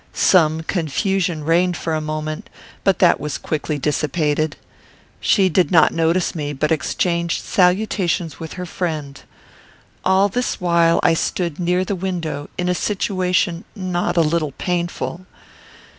Some confusion reigned for a moment, but was quickly dissipated. She did not notice me, but exchanged salutations with her friend. All this while I stood near the window, in a situation not a little painful.